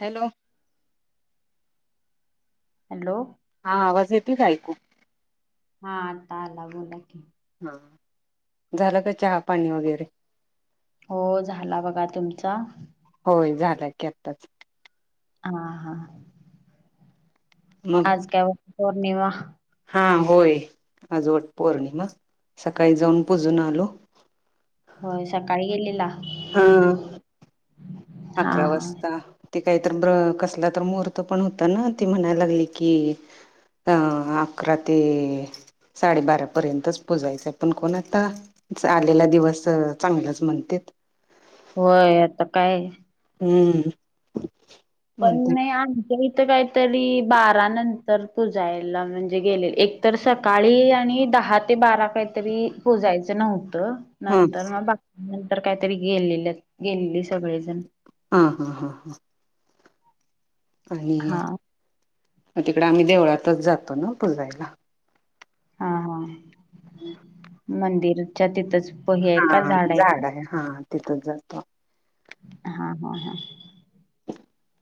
Hello. Hello. हा आवाज येतोय का ऐकू? हा आता आला, बोला की. हा. झालं का चहा पाणी वगैरे? हो झाला बघा. तुमचा? होय झाला की, आताच. हा-हा. मग आज काय उप पौर्णिमा? हा होय, आज वटपौर्णिमा. सकाळी जाऊन पुजून आलो. व्हय. सकाळी गेलेला. हं हा. हा आकरा हा वाजता. ते कायतरी ब्र कसला तर मुहूर्त पण होत ना, ती म्हणाय लागली की हन् आकरा ते साडेबारापर्यंतच पुजायचंय, पण कोण आता? च आलेला दिवस चांगलाच म्हणतेत. होय, आता काय? हम्म. पण म्हणतात नाही आण पणं इथ काहीतरी बारा नंतर, पुजायला म्हणजे गेले एक तर सक सकाळी आणि दहा ते बारा काहीतरी पुजायच नव्हतं. हा नंतर मग बाकी नंतर, काहीतरी गेलेले गेलेली सगळेजण हा हा हां हां. आणि हा. मग तिकडे आम्ही देवळातच जातो ना, पुजायला. हा हा. मंदिरच्या तिथंच पही हाय का हा झाड हाय. आहे हा. तिथच जातो आम्ही. हा हा हा.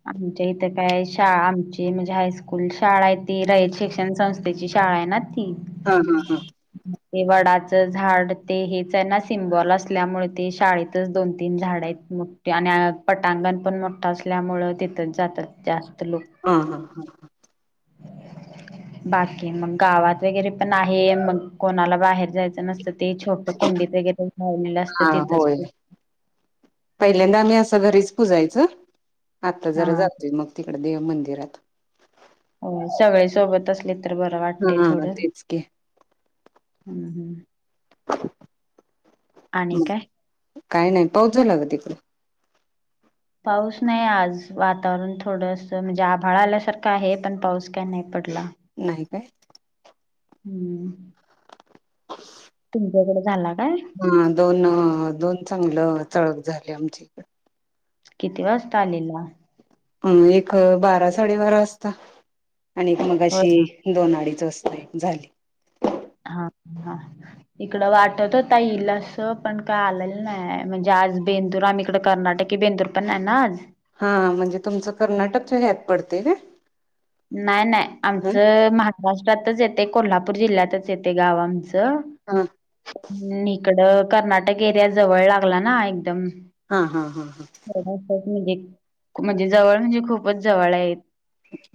आमच्या इथं काय शाळा आमची म्हणजे हायस्कूल, शाळा हाय ती रयत शिक्षण संस्था त्याची शाळा हाय ना ती. हा हा हा. ते वडाचं झाड ते हेच हाय ना, सिम्बॉल असल्यामुळे ते शाळेतच दोन तीन झाड हायत. मोठठी आणि पटांगण पण मोठं असल्यामुळ, तिथच जातात जास्त लोक. हा हा हा. बाकी मग गावात वगैरे पण आहे, मग कोणाला बाहेर जायचं नसेल ते छोट कुंडीत वगैरे लावलेलं असतं. हा तिथच होय पूजा पहिल्यांदा आम्ही असं घरीच पुुजायच. आता जरा हा जातोय मग. तिकडे देव मंदिरात हो सगळे सोबत असलेत तर बर वाटतय हा थोड. तेच की हम् हम्. आणि काय? काही नाही पाउस झाला काय तिकड पाऊस नाही आज वातावरण थोडस म्हणजे आभाळ आल्यासारखं आहे पण पाऊस काय नाही पडला नाही काय हम्म. ब तुमच्याकडे झाला काय? हा दोन दोन चांगलं चळक झाले आमची इकड किती वाजता आलेला अ एक बारा साडे बारा असता आणि एक होय मगाशी ना. दोन अडीच असता एक झाली. हा-हा इकड वाटत होता येईल असं पण काय आलेलं नाही म्हणजे आज बेंदूर आम इकड कर्नाटक कि बेंदूर पण ना ये ना आज. हा म्हणजे तुमचं कर्नाटकच्या ह्यात पडते काय? नाय नाय ह आमचं महाराष्ट्रातच येतय कोल्हापूर जिल्ह्यातच येतय गाव आमचं हा इकडं कर्नाटक एरिया जवळ लागला ना एकदम हा हा हा हा म्हणजे-म्हणजे जवळ म्हणजे खूपच जवळ आहेत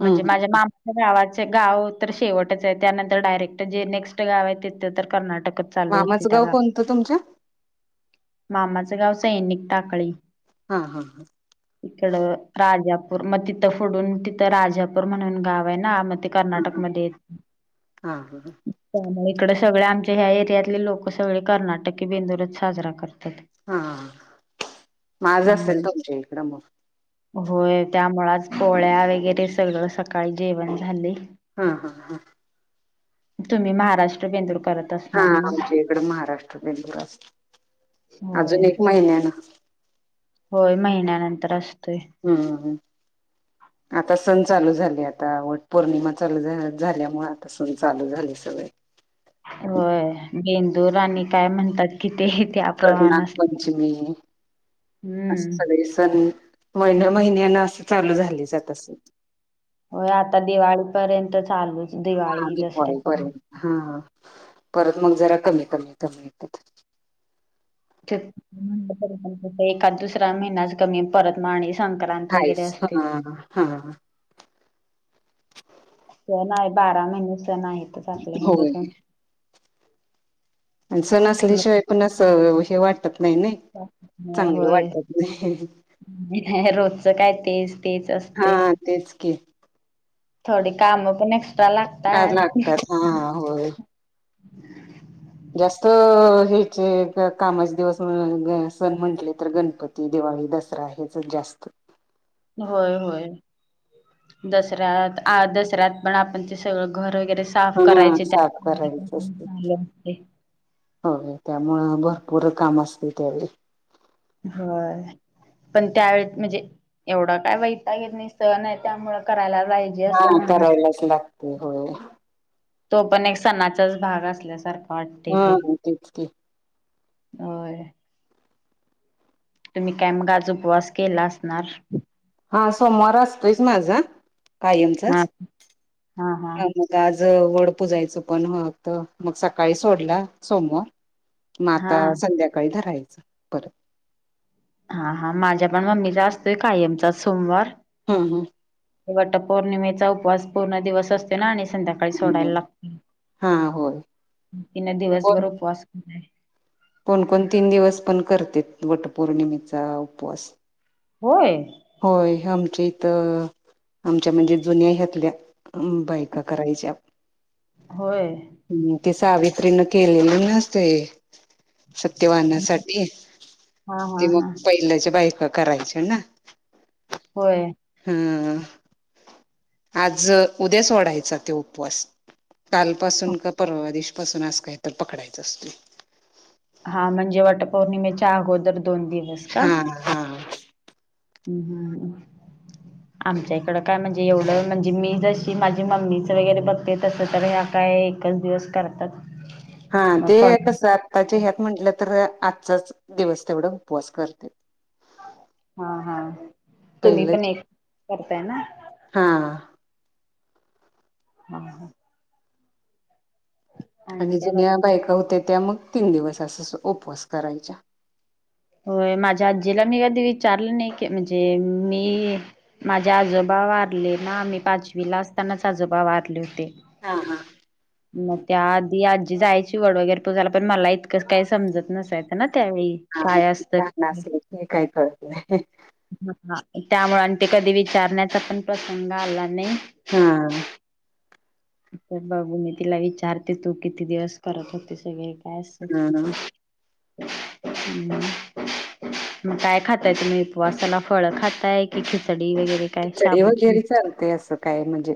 म्हणजे माझ्या मामा गावाचे गाव तर शेवटच आहे त्यानंतर डायरेक्ट जे नेक्स्ट गाव आहे तिथे तर कर्नाटक चालू होती मामाचं त्या गाव कोणतं तुमच्या? मामाचं गाव सैनिक टाकळी हा हा हा इकड राजापूर मग तिथं फोडून तिथं राजापूर म्हणून गाव आहे ना मग हा. कर्नाटकमध्ये हा त्यामुळे इकड सगळे आमच्या ह्या एरियातले लोक सगळे कर्नाटकी बेंदूरच साजरा करतात हा माझं असेल हम्म तुमच्या इकडं मग होय त्यामुच आज पोळ्या वगैरे सगळं सकाळी जेवण झाले. हा हा हा तुम्ही महाराष्ट्र बेंदूर करत हा असणार ना आमच्या इकड महाराष्ट्र बेंगलुर असत होय अजून एक महिन्यान होय महिन्यानंतर असतोय हम्म-हम्म आता सण चालू झाले आता वट पौर्णिमा चालू झाल्यामुळे आता स्वारी चालू झालय सगळे होय बेंदूर आणि काय म्हणतात. किती त्या कधी प्रमाण असत नागपंचमी अस हम्म सगळे सण महिन्या महिन्यान असं चालू झाले जात अस हो आता दिवाळीपर्यंत चालूच हा दिवाळी दिपावळी पर्यंत दसऱ्यापर्यंत हा परत मग जरा कमी कमी कमी येतात एका दुसरा महिनच कमी परत माणीस संक्रांत वगैरे हायच असते. हा हा सण आहे बारा महिने सण आहेतच आपले हिंदू होय संस्कृ सण असल्याशिवाय पण असं हे वाटत नाही नाही चांगलं वाटत नाही रोजचं काय तेस हा तेच के थोडी काम पण एक्स्ट्रा लागतात हा होय जास्त ह्याचे कामाचे दिवस सण म्हंटले तर गणपती दिवाळी दसरा हेचच जास्त होय होय दसऱ्यात दसऱ्यात पण आपण ते सगळं घर वगैरे साफ हा करायचे त्या साफ करायच असते हो.. त्यामुळे भरपूर काम असतील त्यावेळी होय पण त्या वळस म्हणजे एवढं काय वैतागेत नाही सण आहे त्यामुळ करायला जायल हा करायलाच लागते होय तो पण एक सणाचाच भाग असल्यासारखा वाटते हा ते तेच की हो तुम्ही काय मग आज उपवास केला असणार हा सोमवार असतोच माझा हा कायमचाच हा हा आज वड पूजायचं पण हत मग सकाळी सोडला सोमवर मग हा आता संध्याकाळी धरायचं परत हा हा माझ्या पण मम्मीचा असतोय कायमचा सोमवार हम्म हम्म वट पौर्णिमेचा उपवास पूर्ण दिवस असतो ना आणि संध्याकाळी काय हम्म. सोडायला हा होय लागत दिवसभर उपवास केलाय कोणकोण तीन दिवस पण करते वटपौर्णिमेचा उपवास होय होय आमची इथ आमच्या म्हणजे जुन्या ह्यातल्या बायका करायच्या होय हम्म ते सावित्रीन केलेली नसते सत्यवाहनासाठी हां, ते हां, मग हां. पहिल्याच्या बायका करायच्या ह ना होय हम्म आज उद्या सोडायचा वाढायचा ते उपवास कालपासून का परवा दिवशीपासून आज काही तर पकडायचं असतेय. हा, म्हणजे वटपौर्णिमेच्या अगोदर दोन दिवस का? हा हा हम्म हम् हम [inaudible] आमच्या इकडं काय म्हणजे एवढं म्हणजे मी जशी माझी मम्मीचं वगैरे बघते तसं तर ह्या काय एकच दिवस करतात हा मग ते फळ एक स त्याज ह्यात म्हटलं तर आजचाच दिवस तेवढा उपवास करते हा हा तुम्ही पहिलं पण एक करताय ना हा हा ह आणि काय बाकी? जुन्या बायका होत्या त्या मग तीन दिवस अस उपवास करायच्या होय माझ्या आजीला मी कधी विचारलं नाही की म्हणजे मी माझे आजोबा वारले ना मी पाचवीला असतानाच आजोबा वारले होते. हा हां मग त्या आधी आजी जायची वड वगैरे पूजाला पण मला इतकंच काही समजत नसायचं ना त्यावेळी हा काय असतं लहान ते. असले की काही कळत नाही त्यामुळे आणि ते कधी विचारण्याचा पण प्रसंग आला नाही. हा तर बघू मी तिला विचारते तू किती दिवस करत होते सगळे काय अस हा हम् मग काय खाताय तुम्ही उपवासाला फळं खाताय की खिचडी वगैरे काय खिचडी शाबूची वगैरे चालते असं काय म्हणजे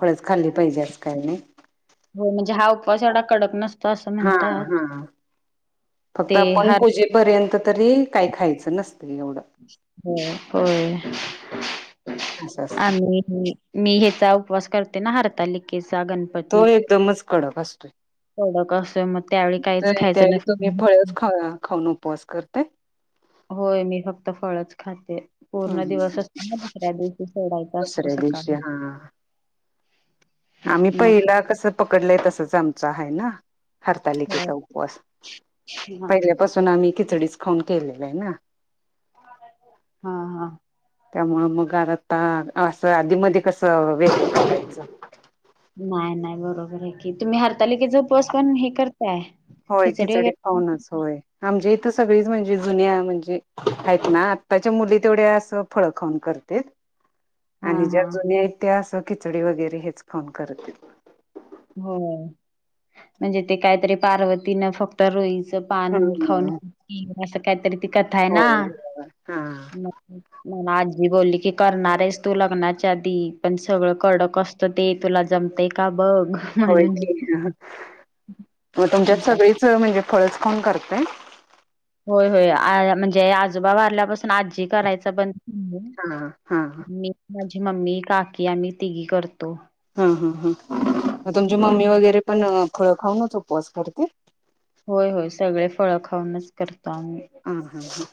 फळंच खाल्ली पाहिजे असं काही नाही हो म्हणजे हा उपवास एवढा कडक नसतो असं हा म्हणतात हा फक्त ते आपण हर पूजेला पर्यंत तरी काही खायचं नसत एवढं हो... प.. असं असतंय आणि मी ह्याचा उपवास करते ना हरतालिकेचा गणपती तो एकदमच कडक असतोय कडक असतोय मग त्यावेळी काहीच तर खायचं त्यावेळी तुम्ही नसतं. फळच खा खाऊन उपवास करते होय मी फक्त फळच खाते हम्म पूर्ण हम्म दिवस असतो ना दुसऱ्या दिवशी सोडायचा असतो दुसऱ्या दिवशी सकाळी हा आम्ही मग ते पहिला कसं पकडलंय तसच आमचं आहे ना हा हरतालिकेचा उपवास पहिल्यापासून आम्ही खिचडीच खाऊन केलेला आहे ना हा हा त्यामु मग आर आता असं आधी मध्ये कस व्यग करायचं. नाही नाही बरोबर आहे कि तुम्ही हरतालिकेचा उपवास पण हे करताय होय खिचडी खाऊनच होयआमच्या इथं सगळीच म्हणजे जुन्या म्हणजे आहेत ना आताच्या मुली तेवढ्या असं फळ खाऊन करते. हा आणि ज्या हा जुन्या आहेत त्या असं खिचडी वगैरे हेच खाऊन करतेत. हो म्हणजे ते काहीतरी पार्वतीनं फक्त रोईचं पान खाऊन हम्म असं काहीतरी ती कथा आहे हो ना? हा ना आजी बोलली की करणार आहेस तू लग्नाच्या आधी पण सगळं कड कस ते तुला जमते का बघ होय म्हणून की.. मग तुमच्यात सगळीच म्हणजे फळच खाऊन करते. होय होय म्हणजे आजोबा वारल्यापासून आजी करायचं बंद हा हा मी, माझी मम्मी, काकी आम्ही तिघी करतो. हा हा ह तुमची मम्मी वगैरे पण फळं खाऊनच उपवास करते होय होय सगळे फळ खाऊनच करतो आम्ही हम हं ह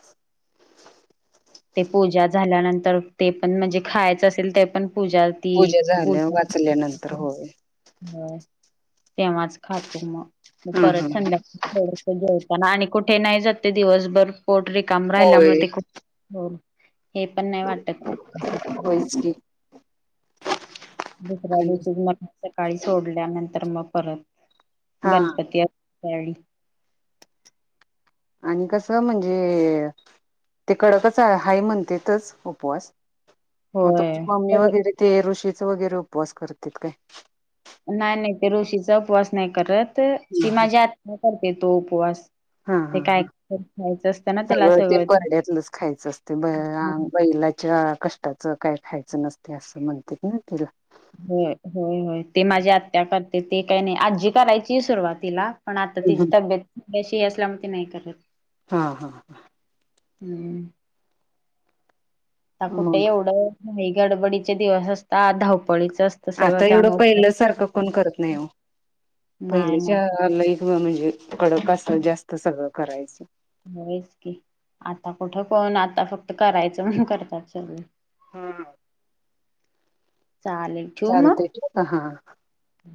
ते पूजा झाल्यानंतर ते पण म्हणजे खायचं असेल ते पण पूजा ती पूजा झाल्यावर वाचल्यानंतर होय हो तेव्हाच खातो मग मग हा हा परत हा. जेवताना आणि कुठे नाही जाते दिवसभर पोट रिकाम राहिल्यामुळे होय तेठ हो हे पण नाही वाटत होयच की दुसऱ्या आणि दिवशी मग सकाळी सोडल्या नंतर मग परत हा गणपती ताई डी आणि कसं म्हणजे ते कडकच आहे हाय म्हणतेच उपवास मग होय. तुमची मम्मी वगैरे ते ऋषीचा वगैरे उपवास करत काय नाही नाही ते ऋषीचा उपवास नाही करत.. ती माझ्या आत करते तो उपवास हा हा ते काय ह खायचं असतं ना त्याला सगळं ते परड्यातलंच खायचं असते ब बैला कष्टाच काय खायचं नसते असं म्हणते ना तिला हो होय होय ते माझी आत्या करते ते काही नाही आजी करायची सुरुवातीला पण आता तिची तब्येत्याशी असल्यामुळे ती नाही करत हा हा हां हम्म आता कुठे मग एवढं गडबडीचे दिवस असतात धावपळीच असत आता एवढं पहिल्या सारखं कोण करत नाही हो नाही नाही करत. पहिल्याच्या लईफ म्हणजे कडक अस जास्त सगळं करायचं होयच की आता कुठं कोण आता फक्त करायचं म्हण करतात सगळे हा. चालेल चालतय ठीवू हा ह